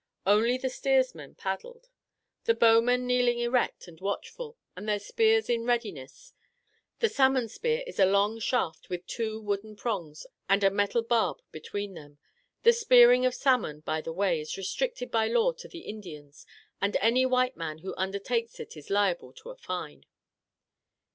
Only the steersmen paddled, — the bowmen kneeling erect and watchful, with their spears in readi ness. (The salmon spear is a long ash shaft, with two wooden prongs and a metal barb between them. The spearing of salmon, by the way, is restricted by law to the Indians, and any white man who undertakes it is liable to a fine.)